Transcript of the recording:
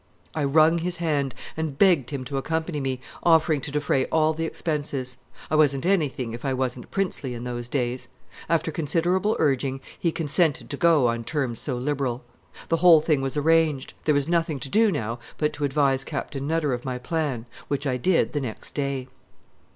I wrung his hand and begged him to accompany me, offering to defray all the expenses. I wasn't anything if I wasn't princely in those days. After considerable urging, he consented to go on terms so liberal. The whole thing was arranged; there was nothing to do now but to advise Captain Nutter of my plan, which I did the next day.